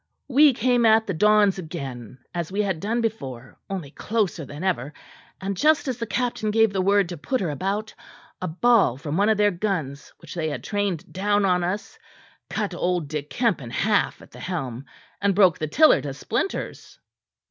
We came at the dons again as we had done before, only closer than ever; and just as the captain gave the word to put her about, a ball from one of their guns which they had trained down on us, cut old Dick Kemp in half at the helm, and broke the tiller to splinters."